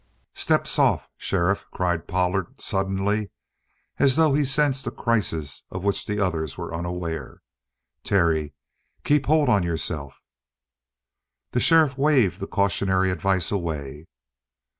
"Step soft, sheriff," cried Pollard suddenly, as though he sensed a crisis of which the others were unaware. "Terry, keep hold on yourself!" The sheriff waved the cautionary advice away.